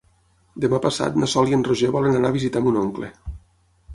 Demà passat na Sol i en Roger volen anar a visitar mon oncle.